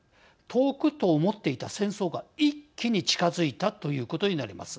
遠くと思っていた戦争が一気に近づいたということになります。